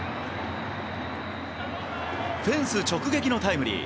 フェンス直撃のタイムリー。